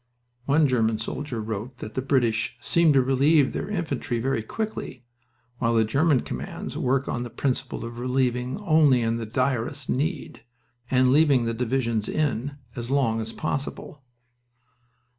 One German soldier wrote that the British "seem to relieve their infantry very quickly, while the German commands work on the principle of relieving only in the direst need, and leaving the divisions in as long as possible."